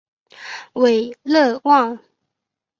韦勒旺。